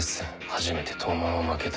「初めて東卍は負けた」